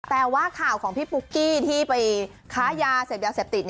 แต่ว่าข่าวของพี่ปุ๊กกี้ที่ไปค้ายาเสพยาเสพติด